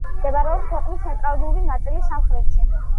მდებარეობს ქვეყნის ცენტრალური ნაწილის სამხრეთში.